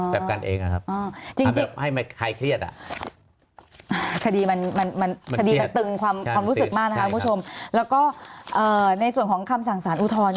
ช่างไว้ให้ใครเครียดอ่า